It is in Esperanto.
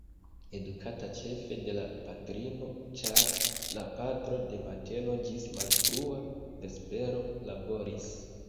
Edukata ĉefe de la patrino, ĉar la patro de mateno ĝis malfrua vespero laboris.